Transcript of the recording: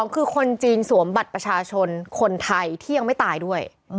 คือคนจีนสวมบัตรประชาชนคนไทยที่ยังไม่ตายด้วย